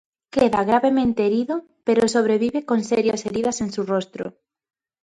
Queda gravemente herido pero sobrevive con serias heridas en su rostro.